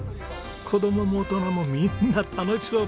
子供も大人もみんな楽しそうです。